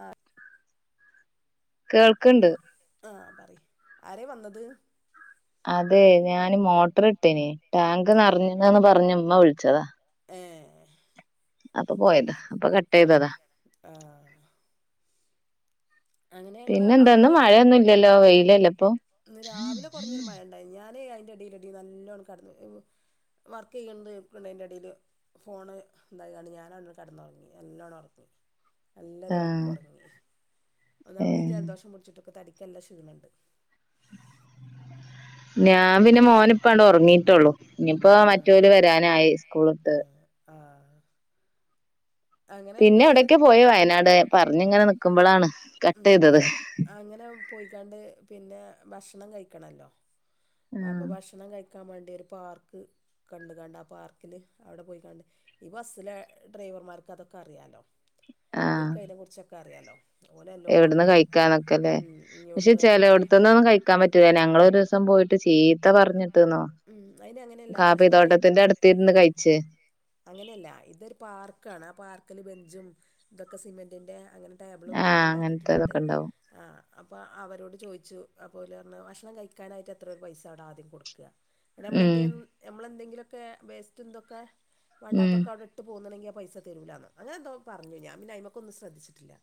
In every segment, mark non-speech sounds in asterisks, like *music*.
ആ. കേൾക്ണ്ട്. ആഹ പറയ് ആരെ വന്നത്? അതെ ഞാന് മോട്ടർ ഇട്ടേനെ, ടാങ്ക് നെ റഞ്ണ് ന്ന് പറഞ് ഉമ്മ വിളിച്ചതാ ഏ. അപ്പൊ പോയതാ. അപ്പൊ കട്ട് ഉം, ചെയ്തതാ ആ അങ്ങനെ ഞങ്ങള് പിന്നെ എന്താ, ന്ന് അവിടുന്ന് മഴയൊന്നുംല്ലല്ലോ? വെയില ല്ലപ്പൊ? *unintelligible* ടി നല്ലോണം കടന്നു വർക്ക് ചെയ്യുന്നത് ന്റെ എടേല്, ഫോണ് തായിങാണ്ട് ഞാന് അവിടെ ണ് കേട ന്നൊറങ്ങി നെല്ലോണം ഉറങ്ങി നല്ലരു ഒറക്ക ആഹ് ഒറങ്ങി. ഒന്നാമതി ഏഹ് ജലദോഷം പുടിച്ചിട്ട് ക്ക് തടിക്കല്ല ഷീണണ്ട്‌. ഞാൻ പിന്നെ മോന് ഇപ്പാണ്ട് ഒ റങ്ങിട്ടൊ ള്ളു ഇനിപ്പോ ആ മറ്റോല് വരാനായി സ്കൂള്ട്ട് ആ ആ അങ്ങനെ പിന്നെ ഞങ്ങള് എവിടൊക്കെ പോയി? വയനാട് പറഞ്ഞിങ്ങനെ നിക്കുമ്പളാണ് ഉം കട്ട് യ്തത്. അങ്ങനെ പോയിക്കാണ്ട് പിന്നെ ഭക്ഷണം കഴിക്കണല്ലോ അപ്പൊ ആഹ് ഭക്ഷണം കഴ ക്കാൻ വേണ്ടി ഒരു പാർക്ക് കണ്ട കണ്ട് പാർക്കില് അവിടെ പോയി ക ഈ ബസില ഡ്രൈവർമാർ തൊക്കെ അറിയാലോ ഓൽകൈനെ കുറിച്ചൊക്കെ അറിയാലോ എവിടന്ന് ഓലെല്ലോടത്തും കഴിക്കാന്നൊക്കെല്ലേ ഉം ഇഞ്ഞ് പക്ഷെ ഇവിടുന്ന് ചില കഴിക്കാ എവിടത്തന്നൊന്നും കഴിക്കാൻ പറ്റൂല ഞങ്ങളൊ ഒരു ദിവസം പോയിട്ട് ട്ട് ചീത്ത പറഞ്ഞിട്ട്ന്നോ ഉം അയിന് അങ്ങനെയല്ല കാപ്പി ഭക്ഷണം കഴി തോട്ടത്തിന്റെ അടുത്ത്രുന്ന് കഴിച്ചു അങ്ങനെയല്ല ഇതൊരു പാർക്ക ആണ് ആ പാർക്കില് ബന്ധ ും ഇതൊക്കെ സിമെന്റിന്റെ അങ്ങനെ ടേബിളും ഇതൊക്കെ ആഹ് ഉണ്ടാക്കിട്ടിട്ടുണ്ട് അങ്ങനത്തെതൊക്കെ ഉണ്ടാവും ആ അപ്പോം അവരോട് ചോദിച്ചു അതുപലെ പറഞ്ഞാൽ ഭക്ഷണം കഴിക്കാനായിട്ട് എത്ര ഒരു പൈസ അവിടെ ആദ്യം കൊടുക്കുക ഉം നമ്മളെന്തെങ്കിലും നമ്മളെന്തെിലൊക്കെ വേസ്റ്റ് എന്തൊക്കെ ഉം വണ്ടാത്തൊക്കെ അവിടെ ഇട്ട് പോകണെങ്ക അൾ പൈസ തരുവിലാന്ന് അനെ എന്തോ പറഞ്ഞു ഞാ പി അ്മക്കന്നും ശ്രദ്ധിച്ചിട്ടില്ല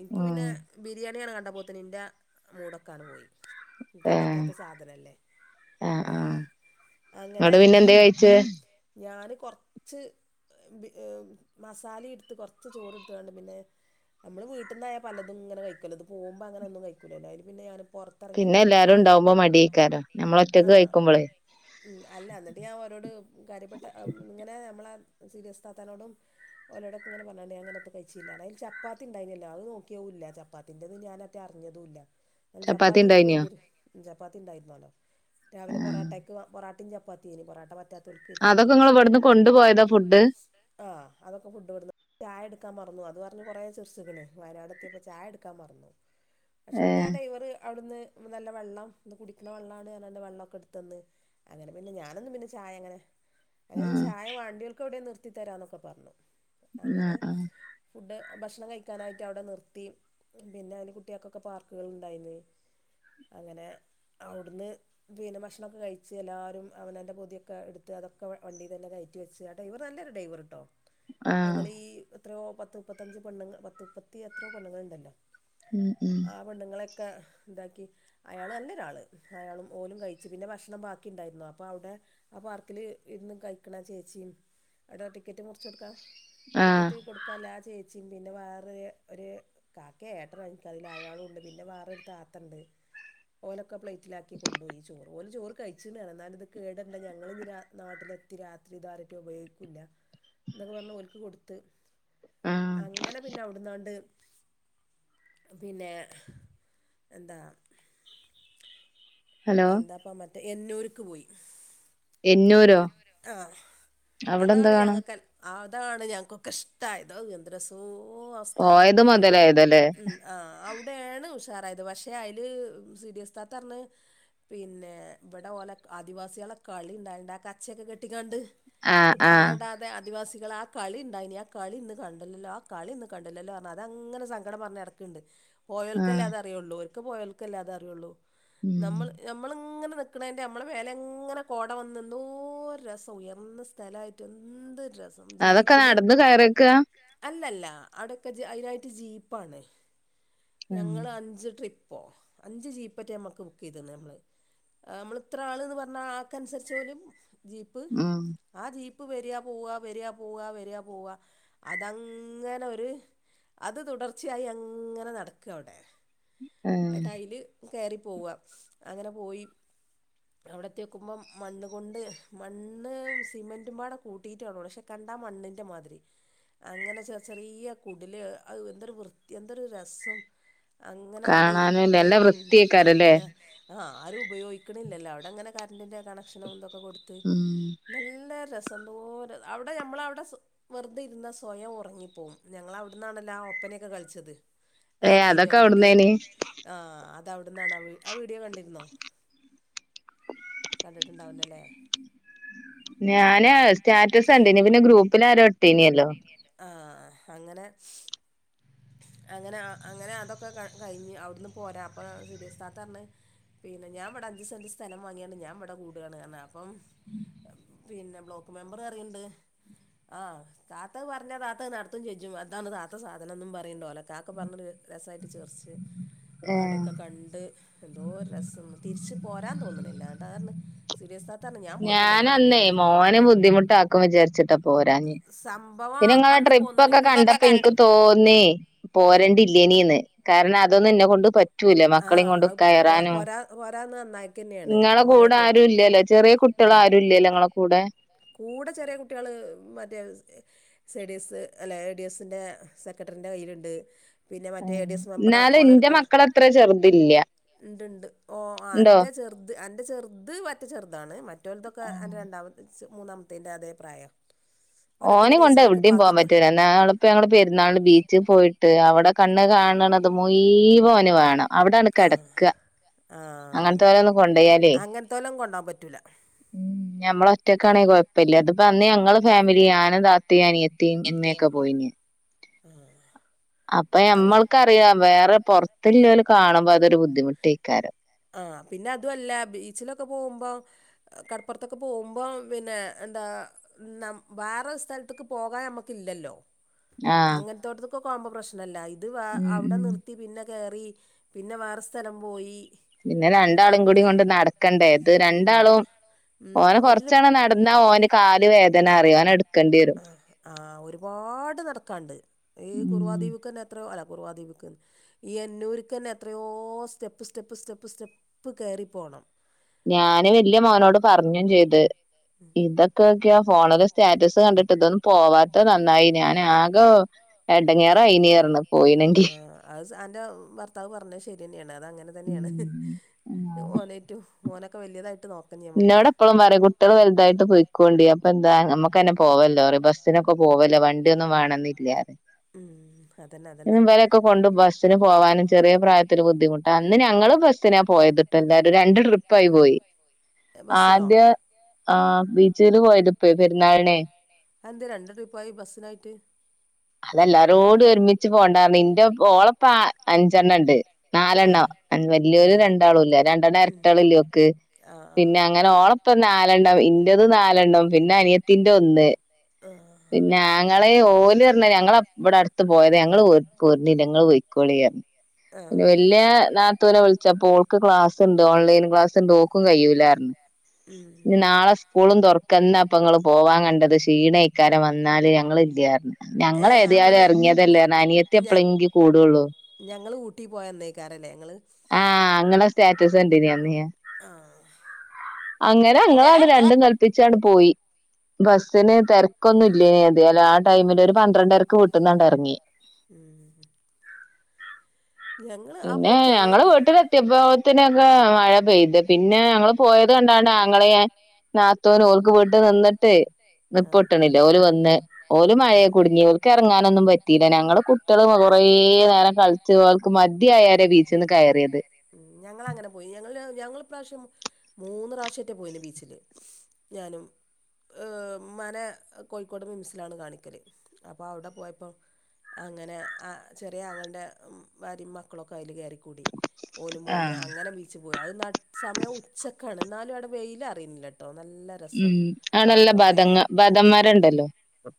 എനിക്ക് ഉം പിന്നെ ബിരിയാണിയണ് കണ്ട പോത്തന്നെ നിറെ മൂടൊക്കാണ് പോയി എനിക്കേ ഏഹ് പറ്റാത്ത സാധനല്ലേ ആഹ് ആഹ് ങ്ങോട്ട പിന്നെ എന്ത കഴിച്ച ഞാന് കൊറച്ച് മസാലെടുത്ത് കുറച്ച് ചോറ്ടുത്താണ്ട് പിന്നെ നമ്മള് വീട്ട നിന്നായാ പലതും ഇങ്ങെ കഴിക്കല്ലൊ അത് പോകുപോ അങ്ങനൊന്നും കഴക്കല എായാലും പിന്നെഞാൻ പിന്നെ എല്ലാരും ഉണ്ടാവുമ്പോ മടിയേക്കാരോ നമ്മള ഒറ്റ ആഹ് കഴിക്കുമ്പോളെ ഉം അല്ല എന്നിട്ട് ഞാൻ ഓരോട് കാര്യപ്പെട്ട ഇങ്ങനെ നമ്മളെ സീരിയസ് താത്താനോടും ഓരോടൊക്കെ ഇങ്ങനെ പറഞ്ഞാുണ്ട അങ്ങനൊത്ത് കഴിച്ചില്ല കാരണം അതി ചപ്പാത്തി ഉണ്ടായിനല്ലോ അത് നോക്കിയോ ഇല്ല ചപ്പാത്തിന്റെറെ ഞാനറ്റ അറിഞ്ഞതും ഇല്ല അ ചപ്പാത്തി ചപ്പാത്തിനി ഉണ്ടായിനോ വല്യൊരു ജപ്പാത്തി ഉണ്ടായിരുന്നണോ രാവിലെ ആഹ് പൊറിട്ടയ്ക്ക് പൊറാട്ടയും ചപ്പാത്തിതിന് പൊറട്ട പറ്റാത്ത അതൊക്കെ നിങ്ങൾ ഇവിടുന്ന് കൊണ്ടുപോയതാ ഫുഡ് ആ അതൊക്കെ ചായ എടുക്കാൻു പറഞ്ഞു കുറേ ചെർസുകൾ വയനാട് എത്തിയപ്പോൾ ചായ എടുക്കാൻ മറന്നു പക്ഷേ പിന്നെ ഏഹ് ഡ ഇവർ അവിടുന്ന് നല്ല വെള്ളം കുടിക്കുന്ന വെള്ളമാണ് കാര വെം ട്ത്തന്ന് അങ്ങനെ പിന്നെ ഞാനൊന്നും പിന്നെ ചായങ്ങനെ അ ആഹ് ചായ വാണ്ടികക്കവിടെ നി എത്തി തരാനൊക്കെ പറഞ്ഞു ആ അങ്ങനെ ആ ഫുഡ് ഭക്ഷണം കഴിക്കാനായിട്ട് അവിടെ നിർത്തി പിന്നെ അതിന് കുട്ടികൾക്കൊക്കെ പാർക്കുകളളുണ്ടായിരുന്നു അങ്ങനെ അവിടുന്ന് വീന ഭക്ഷണണംൊക്കെ കഴി എല്ലാവും അവനൻ്ന്റെ പ പൊതിയൊക്കെ എടുത്ത് അതൊക്കെ വണ്ടിയി തന്നെ കയറ്റി വെച്ച് കേട്ട ഇവർ നല്ല ഡൈവർട്ടോ ആഹ് ആഹ് ആഹ് ഞങ്ങൾ ഈ എത്രയോ പത്ത് മുപ്പത്തഞ്ച് പെണ്ണ പത്ത് മുപ്പത്തി എത്രയോ പെണ്ണങ്ങൾ ഉണ്ടല്ലോ ഉം ഉം ആ പെണ്ണുങ്ങളെയൊക്കെ ഇതാക്കി അയാള് നല്ലൊരാള് അയാളും പോലും കഴിച്ചു പിന്നെ ഭക്ഷണം ബാക്കി ഉണ്ടായിരുന്നു അപ്പൊ അവിടെ ആ പാർക്കില് ഇന്ന് കഴിക്കണ ചേച്ചിയും അവിടെ ടിക്കറ്റ് മുറച്ച് കൊടുക്കാം ആഹ് ടിക്കറ്റ് കൊടുക്കാല്ലാ ചെയ് പിന്നെ വേറൊരു കാക്ക ഏട്ട എനക്ക്തിൽ അയാളുണ്ട് പിന്നെ വേറെ ഒരു താത്തണ്ട് ഓലൊക്ക പ്ലേറ്റിലാക്കി കൊണ്ടുപോയി ചോറ് ഒരു ചോറ് കഴിച്ചി എന്ന ഇത് കേട ഞങ്ങൾ ഇ നാട്ടിലെത്തി രാത്രി താര ഉപയ തൊക്കെ പറഞ്ഞ് കൊടുത്ത് ആഹ് അങ്ങനെ പിന്നെ അവിടുന്നാണ്ട് പിന്നെ എന്താ ഹലോ എന്താപ്പം മറ്റേ എന്നൂർക്ക് പോയി എന്നൂരോ ആഹ് അവിടെ എന്താ അതാണ് കാണാ ഞങ്ങൾക്ക് ആ അതാണ് ഞാക്കൊക്കെ ഇഷ്ടായത് എന്ദ്ര സോ ഓ സ്ഥലം പോയത് മുതലായതല്ലേ ഉ അവിടൊണ് ഉഷാർ പക്ഷെ അരിയ പിന്നെ ഇവിടെ പോലെ ആദിവാസികളെ കളി ഉണ്ടായിണ്ടാക്ക ക അച്ചയൊക്കെ കെട്ടിക്കാണ്ട് ആഹ് ആഹ് കുപ്പായടാതെ ആദിവാസികൾ ആ കളി ഉണ്ടായിനി ആ കളി ഇന്ന് കണ്ടില്ലല്ലോ ആ കളി ഇന്ന് കണ്ടില്ലല്ലോ പറഞ്ഞാൽ അത് അങ്ങനെ സങ്കടം പറഞ്ഞു നടക്കുണ്ട് ആഹ് പോയൽക്കല്ലാതെ അറിയുള്ളൂ ഒർക്ക് പോയൽക്കല്ലാതെ അറിയുള്ളൂ ഉം ഇങ്ങനെ നിക്കണൻ്റെ നമ്മളെ വല എങ്ങനെ കോട വന്ന് എന്തോ രസം ഉയർന്ന സ്ഥലമായിട്ട് ഇൻഡ അതൊക്കെ ജീപ്പില് നടന്ന് കയറിയേക്കാ അല്ലല്ല അവിടെക്കെ അതിനായിട്ട് ജീപ്പാണ് ഉം ഞങ്ങള് അഞ്ച് ട്രിപ്പോ അഞ്ച് ജീപ്പറ്റെ നമ്മുക്ക് ബുക്ക് ചെയ്തു മ്മള് നമ്മള് ഇത്ര ആള്ന്ന് പറഞ്ഞ ആക്കനുസരിച്ച് ഓല് ജീപ്പ് ഉം ആ ജീപ്പ് പ്പ് വരിയാ പോവ വെരിയാ പോവ വരിയാ പോവ അതങ്ങനെ ഒരു അത് തുടർച്ചയായി അങ്ങനെ നടക്കും അവിടെ ഏഹ് അതില് കയറി പോവുക അങ്ങനെ പോയി അവിടത്തി വെക്കുമ്പോം മണ്ണ് കൊണ്ട് മണ്ണ് സിമെന്റും പാടെ കൂട്ടിട്ടാണ പക്ഷെ ക ണ്ണ മണ്ണിന്റെ മാതിരി അങ്ങനെ ചെ ചെറിയ കുടില് അ എന്തൊരു വൃത്തി എന്തൊരു രസം അങ്ങനെ അവിടെ കാണാനുല്ല ഇരുന്ന് നല്ല ഉം വൃത്തിയേക്കാരല്ലേ ആ ആരും ഉപയോഗിക്കണില്ലല്ലോ അവിടെ അങ്ങനെ കറണ്ടറിന്റെ കണക്ഷനും എന്തൊക്കെ കൊടുത്ത് ഉം നല്ല രസ ന്തോ അവിടെ നമ്മളവിടെ വെറുതെ ഇരുന്ന സ്വയം ഉറങ്ങിപ്പോകും ഞങ്ങൾ അവിടുന്നാണല്ലോ ഒപ്പ നൊക്കെ കളിച്ചത് അത് ഏ കണ്ടീനോ അതൊക്കെ വീഡിയോ അവിടുന്നേനി ആ അത് അവട്ന്നാണ് ആ വീ ആ വീഡിയോ കണ്ടി നോ കണ്ടിട്ടുണ്ടാവില്ലല്ലേ ഞാന് സ്റ്റാറ്റസ് കണ്ടനി പിന്നെ ഗ്രൂപ്പിലാരോ ഇട്ടിനല്ലോ ആ അങ്ങനെ അങ്ങനെ അങ്ങനെ അതൊക്കെ കഴിഞ്ഞ് അവിടുന്ന് പോരാ അപ്പൊ സീരിയസാത്ത പറഞ്ഞ് പിന്നെ ഞാനവിടെ അഞ്ച് സെന്റ് സ്ഥലം വാങ്ങിയാണ്ട് ഞാൻ ഇവിടെ കൂടുകയാണ് കാരണം അപ്പം പിന്നെ ബ്ലോക്ക് മെമ്പർ അറിയണ്ട് ആഹ് താത്ത പറഞ്ഞാ താത്ത നടത്തും ചെയും അതാണ് താത്ത സാധനംന്നും പറയുന്നുണ്ടോ അല്ലെ കാക്ക പറഞ്ഞരു രസമായിട്ട് ചേർച്ച് ഏഹ് അവിടെക്കെ കണ്ട് എന്തോ രസം തിരിച്ചു പോരാൻ തോന്നണല്ല കാര സൂര്യസ് ഞാൻ അന്നേ മോന് ബുദ്ധിമുട്ടാക്കും വിചാരിച്ചിട്ടാ പോരാഞ്ഞ് സംഭവം പിന്നെ നിങ്ങളെ അന്ന് ട്രിപ്പ് ഒക്കെ പോന്നുണെങ്കി കണ്ടപ്പോ എനിക്ക് തോന്നി പോരണ്ട ഇല്ലേനിന്ന് കാരണം അതൊന്നും എന്നെ കൊണ്ട് പ റ്റൂല്ല മക്കളെ ആഹ് കൊണ്ട് അത് പോ കയറാനും പോരാ പോരാന്ന് നന്നായിക്കന്നെയാണ് ഇങ്ങളെ കൂടെ ഓനായിട്ടും ആരു ഇല്ലല്ലോ ചെറിയ കു ട്ടുള്ള ആരു ഇല്ല നിങ്ങളെ കൂടെ കൂടെ ചെറിയ കുട്ടികള് മറ്റേ സെ എ ഡി എസ് അല്ല എ ഡി എസ്സിൻ്റെ സെക്രട്ടറിൻ്റെ കയ്യിലുണ്ട് പിന്നെ ആ മറ്റേ എ ഡി എസ് മെമ്പറെ എന്നാലും എന്റെ മക്കള് അത്ര ചെറുതല്ല ഉണ്ട്ണ്ട് ഓ അന്റെ ചെറുത് അന്റെ ചെറുത് പറ്റ ചെറുതാണ് മാറ്റോൽതൊക്കെ ആഹ് അൻ്റെ രണ്ടാമത് മൂന്നാമത്തെന്റെ അതേപ്രായം ഓനെ കൊണ്ട് എവിടയും പോവാൻ പറ്റൂല നാളിപ്പോ ഞങ്ങ പെരുന്നാള് ബീച്ചിൽ പോയിട്ട് അവിടെ കണ്ണ് കാണണത് മുയുവൻ ഓനു വിണം അവിടാ ആ കിടക്ക ആ അങ്ങനത്തോരൊന്നും കൊണ്ടോയാലേ അങ്ങനത്തോലെ കൊണ്ടോൻ പറ്റൂല ഞമ്മള ഒറ്റക്കാണെങ്കിൽ കുഴപ്പമില്ല അതിപ്പ അന്ന് ഞങ്ങള് ഫാമിലി ഞാനും താത്തി അനിയത്തി തിം ഉമ്മ ഒകെ പോയിന് ആ അപ്പൊ അങ്ങനെ മ്മൾക്കറിയാം വേറെ പുറത്തില്ലല് കാണുമ്പോ അതൊരു ബുദ്ധിമുട്ടിക്കാരം ആ പിന്നെ അതുമല്ല ബീച്ചിലൊക്കെ പോകുമ്പോ കടപ്പുറത്തൊക്കെ പോകുമ്പോ പിന്നെ എന്താ ന വേറെരു സ്ഥലത്തക്ക് പോകാൻ നമ്മുക്ക ഇല്ലല്ലോ ആഹ് അങ്ങനത്തോടത്തൊക്കെ കോമ്പോ പ്രശ്നമല്ല ഇത് ഉം അവിടെ ഉം നിർത്തി പിന്നെ കേറി പിന്നെ വേറെ സ്ഥലം പോയി പിന്നെ രണ്ടാളും കൂടി കൊണ്ട് നടക്കണ്ടേ അത് രണ്ടാളും ഉം ഓന ഒരു കൊറച്ചണ നടന്നാ ഓന് കാല് വേദന അറിയ ഓനെ എടു ആ ആഹ് ഒരുപാട് നടക്കാണ്ട് ഈ ഉം കുർവാദ്വീപ്ക്കെന്നെത്രയ്യോ കുർവാദ്വീപ്ക്ക് ഈ എന്നൂര്ക്കെന്നെ എത്രയോ സ്റ്റെപ്പ് സ്റ്റെപ്പ് സ്റ്റെപ്പ് സ്റ്റെപ്പ് കേറിപ്പോണം ഞാന് വല്യ മോനോട് പറഞ്ഞും ചെയ്ത് ഇതൊക്കെ ഒക്കെയാ ഫോണില് സ്റ്റാറ്റസ് കണ്ടിട്ട് ഇതൊന്നും പോവാത്ത നന്നായി ഞാൻ ആകോ എടങ്ങേറായിനീഅർണു ആഹ് അത് അന്റെ ഭർത്താവ് പറഞ്ഞത് ശരി തന്നെയാണ് അത് അങ്ങനെ തന്നെയാണ് ഉം ഓലേറ്റു ഓനൊക്കെ വല്യതായിട്ട് എന്നോട് ടപ്പളും പറയും കുട്ടികള് വൽതായിട്ട് പൊയിക്കോണ്ടി അപ്പൊ നമുക്കെന്നെ പോവല്ലോ ബസ്സിനൊക്കെ പോവല്ലോ വണ്ടിയൊന്നും വേണെന്നില്ലാറിം ഉം അതന്നെ അതന്നെ അയ്നിവലൊക്കെ കൊണ്ട് ബസ്സിന് പോവാന് ചെറിയ പ്രായത്തില് ബുദ്ധിമുട്ടാണ് ന്ന ഞങ്ങള് ബസ്സിനാ പോയതിട്ടല്ലാരും രണ്ട് ട്രിപ്പായി പോയി ബസ്സിനോ ആദ്യ ആ ബീച്ചില് പോയത്പ്പേ പെരുന്നാളിനെ അയെന്തെ രണ്ട്‌ ട്രിപ്പായി ബസ്സിനായിട്ട് അതെല്ലാരോടും ഒരുമിച്ച് പോണ്ടാർഞ്ഞു ഇന്റെ ഓളപ്പ അഞ്ചെണ്ണണ്ട് ആഹ് നാലെണ്ണം വല്യോര് ആഹ് രണ്ടാളൂല്ലേ രണ്ടെണ്ണം ഉം എരട്ടാളില്ലോക്ക് ആഹ് പിന്നെ ആഹ് അങ്ങനെ ഓളപ്പൊരു നാലെണ്ണം ഇന്റത് നാലെണ്ണം പിന്നെ അനിയത്തിന്റെ ഒന്ന് ആഹ് പിന്നെ ആങ്ങളെ ഓല് പറഞ്ഞ ഞങ്ങള് ഇവിടെ അടുത്ത് പോയതാ അപ്പൊ ഞങ്ങള് പോർനില്ല ങ്ങള് പോയ്ക്കോളിർഞ്ഞു ആഹ് വല്യ നാത്തൂനെ വിളി ച്ചപ്പോൾക്ക് ക്ലാസ്ണ്ട് ഓൺലൈൻ ക്ലാസ്ണ്ട് ഓക്കും കയ്യൂലാർഞ്ഞു ഉം ഞ്ഞി നാളെ സ്കൂളും തുർക്ക ന്നാപ്പങ്ങള് പോവാൻ കണ്ടത് ക്ഷീണേ ക്കാരം വന്നാല് ഞങ്ങളില്ലാർഞ്ഞു ഞങ്ങൾ ഏഹ് അപ്പം ഏതായാലും ഞ ഇറങ്ങിയതല്ലേർന്ന് അനിയത്തി ഞ എപ്പളെങ്കി കൂടുള്ളൂ ഞങ്ങള് ഊട്ടി പോയന്നേക്കാരല്ലേ ങ്ങള്? ആഹ് ഇങ്ങളെ സ്റ്റാറ്റസ് കണ്ടീനി അന്ന് ഞാൻ അങ്ങനെ അങ്ങളങ്ങട്ട് രണ്ടും കല്പ്പിച്ചാണ് പോയി ബസിന് തിരക്കൊന്നും ല്ലേ അതാല ആ ടൈമില് ഒരു പന്ത്രണ്ടരക്ക് വീട്ടുന്നണ്ടറങ്ങി ഉം ഞങ്ങള് ആ പിന്നെ പോക്ക് ഞങ്ങള് വീട്ടിലെത്തിയപ്പോത്തിനൊക്കെ മഴ പെയ്ത് പിന്നെ ഞങ്ങള് പോയത് കണ്ടാണ്ട് ആങ്ങളെ നാത്തൂനും ഓൽക്ക് വീട്ട്ല് നിന്നിട്ടെ ആഹ് നിപ്പൊട്ട്ണില്ല ഓല് വേർതേ ഓല് മഴേ കുടുങ്ങി ഓലക്കെറങ്ങാനൊന്നും പറ്റീല് ഞങ്ങള് കുട്ട്യാള് കൊറേ റേ നേരം കൾച്ച് ഓൽക്ക് മതിയായാരെ ബീച്ച്ന്ന് കയറിയത് ഞങ്ങളനെ പോയി ഞങ്ങളീ പ്രാവശ്യം മൂന്ന് പ്രാവശ്യേറ്റെ പോയിനി ബീച്ചിക്ക് ഞാനും മ്മാനെ കോഴിക്കോട് മിംസിലാണ് കാണിക്കല് അപ്പ അവടെ പോയപ്പോ അങ്ങനെ ആ ചെറിയ ആങ്ങൾന്റെ ഭാര്യം മക്കളൊക്കെ അയ്ല് കേറി ഓല് പോന്ന് ആഹ് അങ്ങനെ ബീച്ച് പോയി അത് ന സമയം ഉച്ചക്കാണ് ന്നാലും അവിടെ വെയിലറിയാനില്ലട്ടോ നല്ല രസം ഉം അവടെ നല്ല അവിടെ കുറേ ബാദങ്ങ ബാദമ്മരണ്ടല്ലോ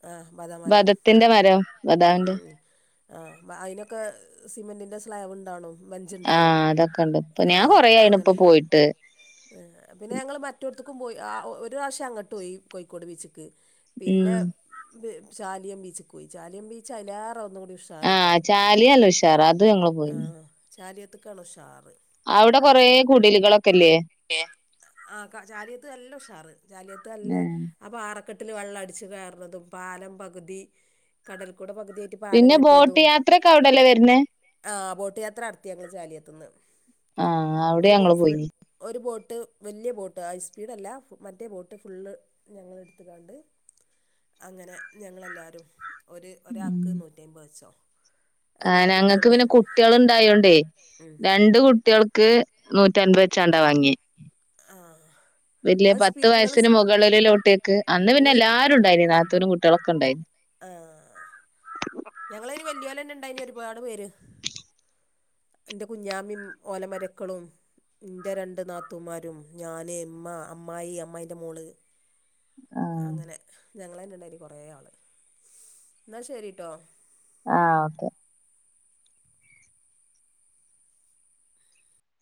ആ ബദാമരം ബധത്തിന്റെ മരം ബദാണ്ട്‌ ആ അ അയ്നൊക്കെ സിമെന്റിന്റെ സ്ലാബ് ണ്ടാനും ആഹ് അതൊക്കെണ്ട് ഇപ്പൊ ഞാൻ കൊറേയായിണ്പ്പൊ അങ്ങനെ പോയിട്ട് പിന്നെ ഞങ്ങള് മറ്റോടത്തക്കും പോയി ഒരു പ്രാവശ്യ അങ്ങട്ട് പോയി കോഴിക്കോട് ബീച്ചക്ക് ഉം പിന്നെ *inaudible* ചാലിയം ബീച്ചിൽ പോയി ചാലിയം ബീച്ച് അയ്ലാറെ ഒന്നു ആഹ് ചാലിയല്ല ഉഷാറ അത് ഞങ്ങള് പോയിന്ന് ചാലിയത്തക്കാണ് ഉഷാറ് അവിടെ കുറേ കുടില്കളൊക്കെ ആ ചാലിയത്ത് നല്ല ഉഷാറ് ചാലിയത്ത് നല്ല ആ പാറ ക്കെട്ടില് വെള്ളം അടിച്ച് കേറ്ണതും പാലം പകുതി കടൽ പിന്നെ ബോട്ട് യാത്ര ഒക്കെ അവിടല്ലേ വരുന്നേ? ട്ട് യാത്ര നടത്തി ഞങ്ങള് ചാലിയെത്ത്ന്ന് ആഹ് അവിടെ ഞങ്ങള് പോയി ഒരു ബോട്ട് വല്യ ബോട്ട് ഹൈസ്പീഡ് അല്ല മറ്റേ ബോട്ട് ഫുള്ള് ഞങ്ങ എടുത്ത കാണ്ട് അങ്ങനെ ഞങ്ങളെല്ലാവരും ഒരു ഒരാക്ക് നൂറ്റമ്പത് വെച്ചോ ആ അങ്ങനെട്ട് ഞങ്ങൾക്ക് എടുത്തുണ്ട് പിന്നെ കുട്ടികൾ ഇണ്ടായോണ്ടേ ഉം രണ്ട് കുട്ടികൾക്ക് നൂറ്റ അപത്തി ചണ്ട വാങ്ങി ആഹ വല്യ പത്ത് വയസിന് മുകളില ലോട്ടിയക്ക് അന്ന് പിന്നെ നിങ്ങൾ എല്ലാരും ഉണ്ടായിന ത്തനുംട്ടികളൊക്കെണ്ടായിരുന്നു ആഹ ഞങ്ങളന് വല്ലിയ പോലെന്നെ ഇണ്ടായിന് ഒരുപാട് പേര് എന്റെ കുഞ്ഞാമി ഓലമരക്കളും എന്റെ രണ്ട് നാത്തുമാരും ഞാന് ഇമ്മ അമ്മായി അമ്മായിന്റ മോള് ആഹ് അങ്ങനെ ഞങ്ങള തന്ന ഇണ്ടായിനി കൊറെ ആള് എന്നാൽ ശരിട്ടോ ആഹ ഓക്കെ